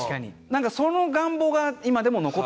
なんかその願望が今でも残ってるのかも。